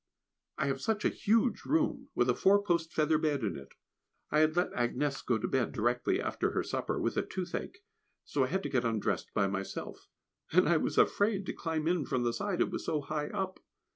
_ I have such a huge room, with a four post feather bed in it. I had let Agnès go to bed directly after her supper, with a toothache, so I had to get undressed by myself; and I was afraid to climb in from the side, it was so high up.